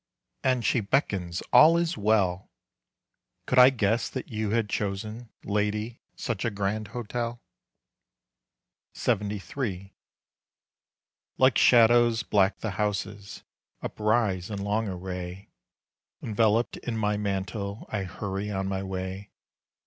And she beckons all is well! Could I guess that you had chosen, Lady, such a grand hotel? LXXIII. Like shadows black the houses Uprise in long array. Enveloped in my mantle I hurry on my way.